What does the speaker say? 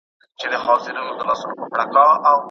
د فکري بېسوادانو چيغې ټولني ته کومه ګټه نه سي رسولای.